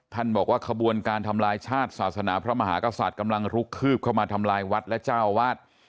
บอกว่าขบวนการทำลายชาติศาสนาพระมหากษัตริย์กำลังลุกคืบเข้ามาทำลายวัดและเจ้าวาด